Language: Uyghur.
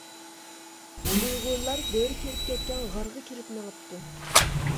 ئۇيغۇرلار بۆرە كىرىپ كەتكەن غارغا كىرىپ مېڭىپتۇ.